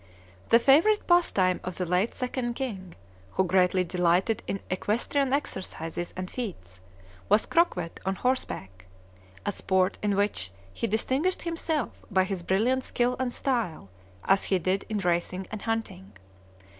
The favorite pastime of the late Second King, who greatly delighted in equestrian exercises and feats, was Croquet on Horseback, a sport in which he distinguished himself by his brilliant skill and style, as he did in racing and hunting.